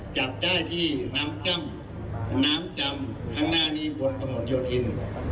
จับได้ที่น้ำจ้ำน้ำจำข้างหน้านี้บนถนนโยธิน